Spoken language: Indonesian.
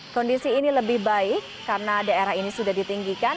kondisi ini lebih baik karena daerah ini sudah ditinggikan